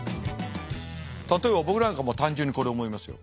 例えば僕なんかは単純にこれ思いますよ。